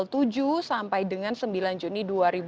tanggal tujuh sampai dengan sembilan juni dua ribu dua puluh